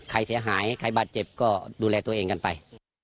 ใครเสียหายใครบาดเจ็บก็ดูแลตัวเองกันไป